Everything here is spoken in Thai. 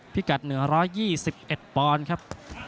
พิกัดเหนือ๑๒๑ปอนด์ครับ